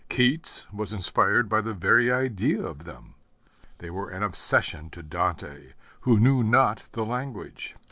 Keats was inspired by the very idea of them. They were an obsession to Dante, who knew not the language.